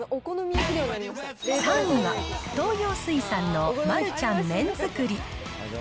３位は東洋水産のマルちゃん麺づくり。